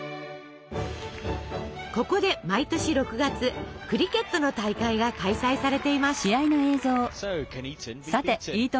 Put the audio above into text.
ここで毎年６月クリケットの大会が開催されています。